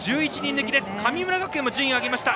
神村学園も順位を上げました。